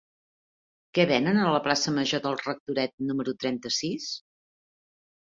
Què venen a la plaça Major del Rectoret número trenta-sis?